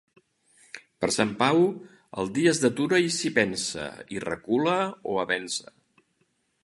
Per Sant Pau el dia es detura i s'hi pensa i recula o avença.